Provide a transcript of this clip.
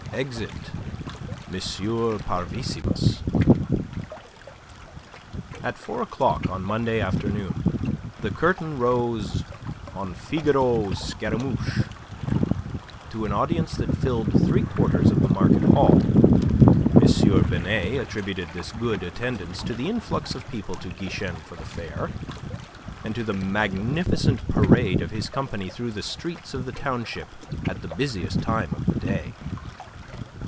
EXIT MONSIEUR PARVISSIMUS Ar four o'clock on Monday afternoon the curtain rose on "Figaro Scaramouche" to an audience that filled three quarters of the market hall. M. Binet attributed this good attendance to the influx of people to Guichen for the fair, and to the magnificent parade of his company through the streets of the township at the busiest time of the day.